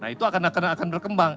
itu akan berkembang